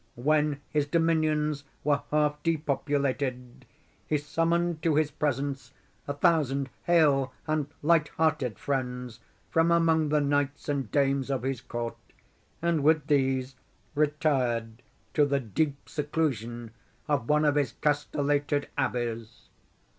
When his dominions were half depopulated, he summoned to his presence a thousand hale and light hearted friends from among the knights and dames of his court, and with these retired to the deep seclusion of one of his castellated abbeys.